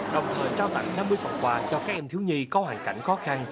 đồng thời trao tặng năm mươi phần quà cho các em thiếu nhi có hoàn cảnh khó khăn